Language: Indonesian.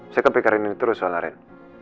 saya kepikiran ini terus soalnya ren